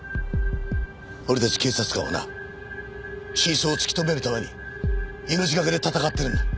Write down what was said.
俺たち警察官はな真相を突き止めるために命懸けで戦ってるんだ。